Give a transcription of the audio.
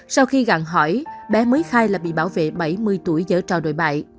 sau khi gặn hỏi bé mới khai là bị bảo vệ bảy mươi tuổi dở trò đổi bại